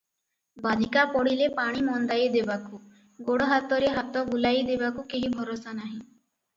ବାଧିକା ପଡ଼ିଲେ ପାଣି ମନ୍ଦାଏ ଦେବାକୁ, ଗୋଡ଼ ହାତରେ ହାତ ବୁଲାଇ ଦେବାକୁ କେହି ଭରସା ନାହିଁ ।